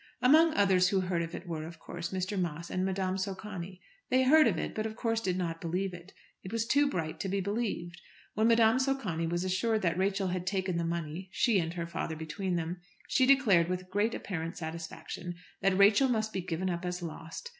Among others who heard of it were, of course, Mr. Moss and Madame Socani. They heard of it, but of course did not believe it. It was too bright to be believed. When Madame Socani was assured that Rachel had taken the money, she and her father between them, she declared, with great apparent satisfaction, that Rachel must be given up as lost.